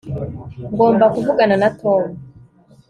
ngomba kuvugana na tom